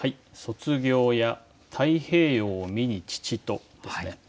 「卒業や太平洋を見に父と」ですね。